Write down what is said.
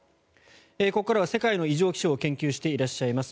ここからは世界の異常気象を研究していらっしゃいます